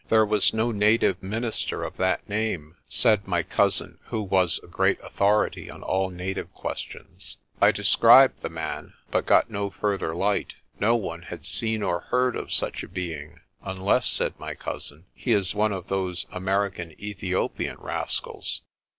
There was no native minister of that name, said my cousin, who was a great authority on all native questions. I described the man, but got no further light. No one had seen or heard of such a being, "unless," said my cousin, "he is one of those American Ethiopian rascals."